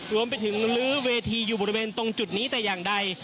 รวมไปถึงลื้อเวทีอยู่บริเวณตรงจุดนี้แต่อย่างใด